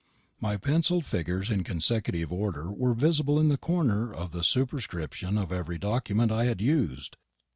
My pencilled figures in consecutive order were visible in the corner of the superscription of every document I had used.